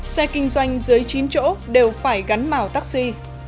xe kinh doanh dưới chín chỗ đều phải gắn màu taxi